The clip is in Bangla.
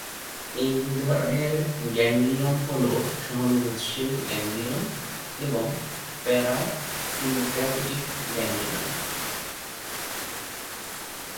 এই দুই ধরনের গ্যাংলিয়ন হল সহানুভূতিশীল গ্যাংলিয়ন এবং প্যারাসিম্প্যাথেটিক গ্যাংলিয়ন।